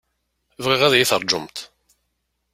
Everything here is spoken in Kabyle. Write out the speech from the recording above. Bɣiɣ ad yi-terjumt.